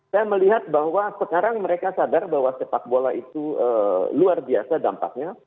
saya melihat bahwa sekarang mereka sadar bahwa sepak bola itu luar biasa dampaknya